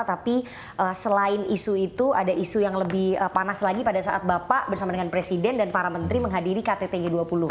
tapi selain isu itu ada isu yang lebih panas lagi pada saat bapak bersama dengan presiden dan para menteri menghadiri kttg dua puluh